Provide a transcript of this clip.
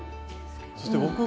そして僕